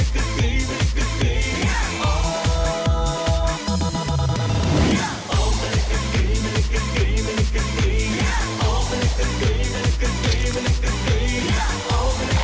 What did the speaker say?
ที่ดีดีดีดีดีดีดีออ